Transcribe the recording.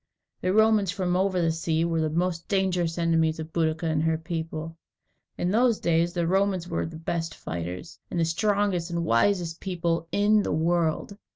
The Romans from over the sea were the most dangerous enemies of Boadicea and her people. In those days the Romans were the best fighters, and the strongest and wisest people in the world.